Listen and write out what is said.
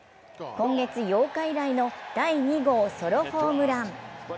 今月８日以来の第２号ソロホームラン。